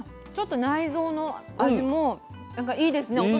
ちょっと内臓の味も何かいいですね。